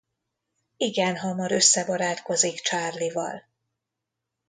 Igen hamar összebarátkozik Charlieval.